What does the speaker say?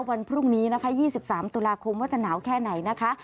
วันพรุ่งนี้นะคะ๒๓ตุลาคมว่าจะหนาวแค่ไหนนะคะ